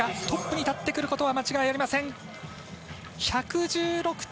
トップになってくることは間違いありません。